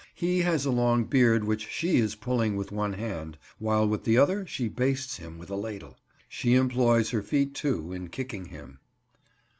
He has a long beard which she is pulling with one hand, while with the other she bastes him with a ladle. She employs her feet, too, in kicking him.